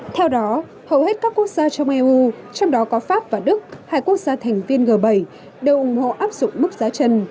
theo đó hầu hết các quốc gia trong eu trong đó có pháp và đức hai quốc gia thành viên g bảy đều ủng hộ áp dụng mức giá trần